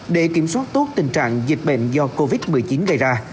để kiểm soát tốt tình trạng dịch bệnh do covid một mươi chín gây ra